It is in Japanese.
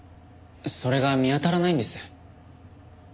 それが見当たらないんです。